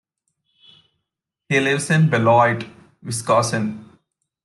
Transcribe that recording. He lives in Beloit, Wisconsin.